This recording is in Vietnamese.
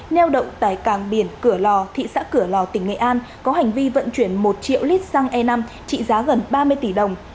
neo đậu tại cảng biển cửa lò thị xã cửa lò tỉnh nghệ an có hành vi vận chuyển một triệu lít xăng e năm trị giá gần ba mươi tỷ đồng